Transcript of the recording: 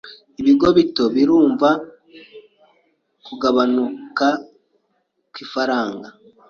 Ibigo bito birumva kugabanuka kw'ifaranga.